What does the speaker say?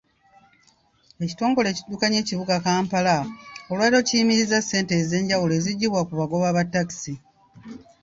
Ekitongole ekiddukanya ekibuga Kampala olwaleero kiyimirizza essente ez'enjawulo ezijjibwa ku bagoba ba takisi.